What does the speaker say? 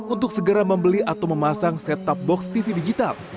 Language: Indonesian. untuk segera membeli atau memasang setup box tv digital